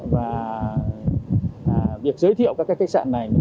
và việc giới thiệu các khách sạn này